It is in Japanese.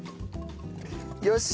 よし。